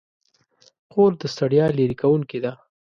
خور د ستړیا لیرې کوونکې ده.